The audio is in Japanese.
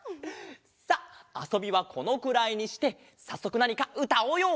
さっあそびはこのくらいにしてさっそくなにかうたおうよ。